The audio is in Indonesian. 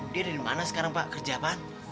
dia dari mana sekarang pak kerja pak